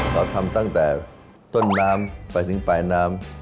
เราทำตั้งแต่ต้นน้ำไปถึงปลายน้ำ